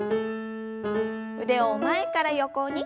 腕を前から横に。